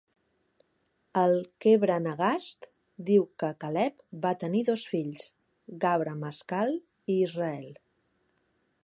El "Kebra Nagast" diu que Kaleb va tenir dos fills, Gabra Masqal i Israel.